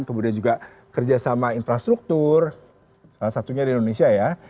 kemudian juga kerjasama infrastruktur salah satunya di indonesia ya